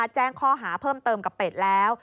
แจ้งข้อหาเพิ่มเติมกับเป็ดแล้ว